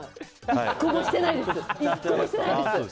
１個もしてないです。